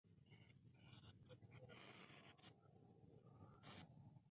They are expected to play at the Municipal Stadium of Kallithea.